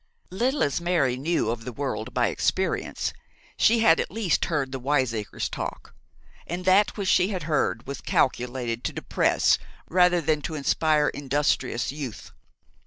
Little as Mary know of the world by experience, she had at least heard the wiseacres talk; and that which she had heard was calculated to depress rather than to inspire industrious youth.